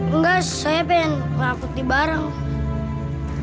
enggak saya pengen ngelakuti bareng